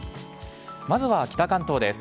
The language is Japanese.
まずは北関東です。